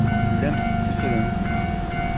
Tellamt tetteffremt.